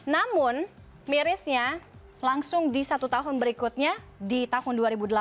namun mirisnya langsung di satu tahun berikutnya di tahun dua ribu delapan belas